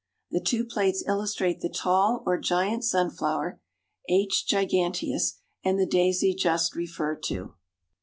The two plates illustrate the tall or giant sunflower (H. giganteus) and the daisy just referred to.